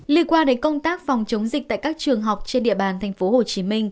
lý qua đến công tác phòng chống dịch tại các trường học trên địa bàn tp hcm